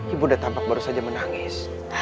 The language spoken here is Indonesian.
ibunda tampak baru saja menangis